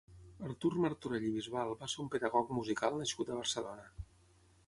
Artur Martorell i Bisbal va ser un pedagog musical nascut a Barcelona.